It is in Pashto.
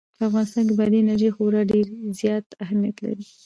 په افغانستان کې بادي انرژي خورا ډېر زیات اهمیت لري.